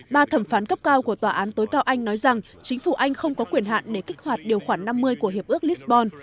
ba thẩm phán cấp cao của tòa án tối cao anh nói rằng chính phủ anh không có quyền hạn để kích hoạt điều khoản năm mươi của hiệp ước lisbon